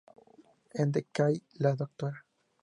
En "Decay", la Dra.